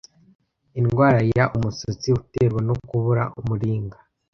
Indwara ya Umusatsi uterwa no kubura Umuringa